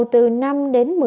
từ năm một mươi năm